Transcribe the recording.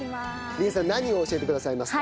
理絵さん何を教えてくださいますか？